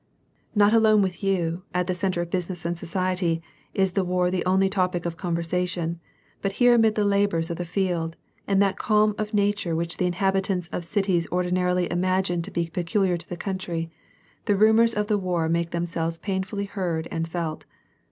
Not alone with you, at the centre of business and society, is the war the only topic of conversation, but here amid the labors of the fields, and that calm of nature which the inhabi tants of cities ordinarily imagine to be peculiar to the country, the rumors of the war make themselves painfully heard and felt.